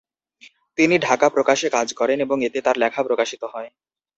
তিনি ঢাকা প্রকাশে কাজ করেন এবং এতে তার লেখা প্রকাশিত হয়।